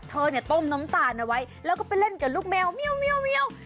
เธอต้มน้ำตาลไว้แล้วก็ไปเล่นกับลูกแมว